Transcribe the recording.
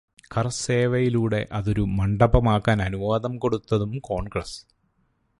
കര് സേവയിലൂടെ അതൊരു മണ്ഡപമാക്കാന് അനുവാദം കൊടുത്തതും കോണ്ഗ്രസ്സ്.